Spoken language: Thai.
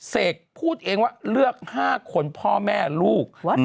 เสกพูดเองว่าเลือก๕คนพ่อแม่ลูก